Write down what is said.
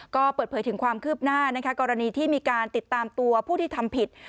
ก็เปิดเผยถึงความคืบหน้านะคะกรณีที่มีการติดตามตัวผู้ที่ทำผิด